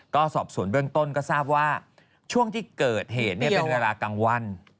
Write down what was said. ก็สอบสวนเบื้องต้นก็ทราบว่าช่วงที่เกิดเหตุเป็นเวลากลางวัน